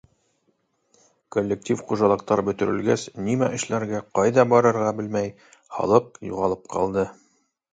Коллектив хужалыҡтар бөтөрөлгәс, нимә эшләргә, ҡайҙа барырға белмәй, халыҡ юғалып ҡалды.